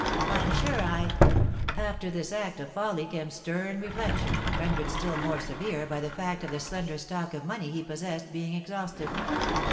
I'm sure I " "After this act of folly came stern reflection, rendered still more severe by the fact of the slender stock of money he possessed being exhausted.